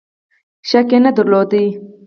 شک نه درلود.